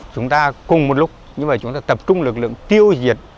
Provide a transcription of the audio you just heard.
chúng ta cùng một lúc chúng ta tập trung lực lượng tiêu diệt